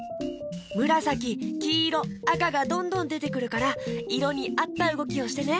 むらさききいろあかがどんどんでてくるからいろにあったうごきをしてね。